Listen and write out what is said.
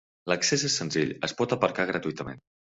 L'accés és senzill, es pot aparcar gratuïtament.